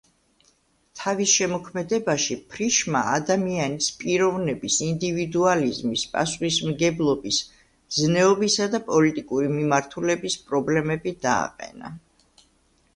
თავის შემოქმედებაში ფრიშმა ადამიანის პიროვნების, ინდივიდუალიზმის, პასუხისმგებლობის, ზნეობისა და პოლიტიკური მიმართულების პრობლემები დააყენა.